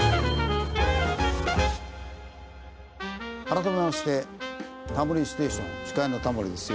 改めまして『タモリステーション』司会のタモリです。